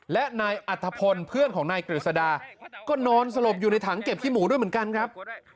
และนายอัธพลเพื่อนของนายกฤษดาก็นอนสลบอยู่ในถังเก็บขี้หมูด้วยเหมือนกันครับ